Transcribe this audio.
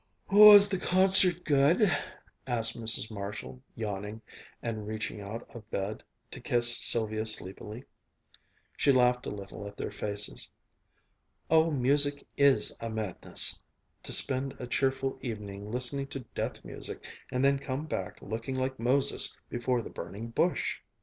"Was the concert good?" asked Mrs. Marshall, yawning, and reaching out of bed to kiss Sylvia sleepily. She laughed a little at their faces. "Oh, music is a madness! To spend a cheerful evening listening to death music, and then come back looking like Moses before the Burning Bush!"